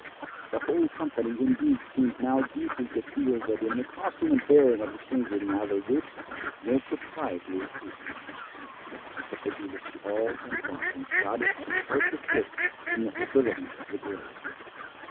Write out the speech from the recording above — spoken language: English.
The whole company, indeed, seemed now deeply to feel that in the costume and bearing of the stranger neither wit nor propriety existed. The figure was tall and gaunt, and shrouded from head to foot in the habiliments of the grave.